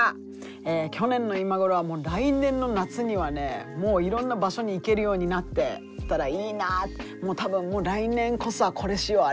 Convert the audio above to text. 去年の今頃は来年の夏にはねもういろんな場所に行けるようになってたらいいな多分来年こそはこれしよう